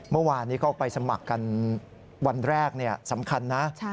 เมื่อวานนี้ก็ไปสมัครกันวันแรกสำคัญนะ